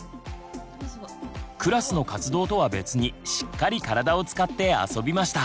クラスの活動とは別にしっかり体を使って遊びました。